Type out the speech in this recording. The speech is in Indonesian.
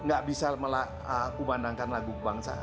gak bisa memandangkan lagu kebangsaan